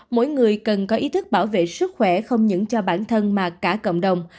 mỗi người cần có ý thức bảo vệ sức khỏe không những cho bản thân mà cả cộng đồng